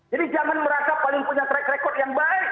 jadi jangan merasa paling punya track record yang baik